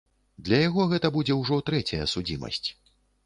Для яго гэта будзе ўжо трэцяя судзімасць.